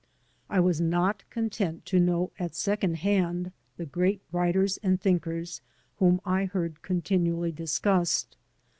I was not content to know at second hand the great writers and thinkers whom I heard con tinually discussed.